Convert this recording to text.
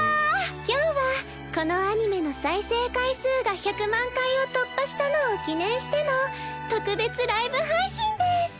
今日はこのアニメの再生回数が１００万回を突破したのを記念しての特別ライブ配信です。